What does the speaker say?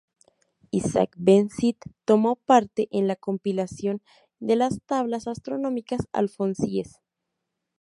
Isaac ben Sid tomó parte en la compilación de las Tablas astronómicas alfonsíes.